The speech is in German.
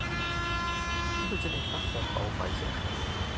Die Giebel sind in Fachwerkbauweise erstellt.